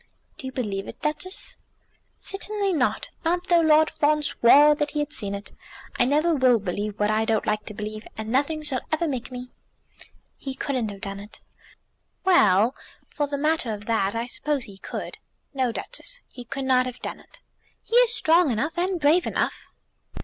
"Do you believe it, Duchess?" "Certainly not; not though Lord Fawn swore that he had seen it. I never will believe what I don't like to believe, and nothing shall ever make me." "He couldn't have done it." "Well; for the matter of that, I suppose he could." "No, Duchess, he could not have done it." "He is strong enough, and brave enough."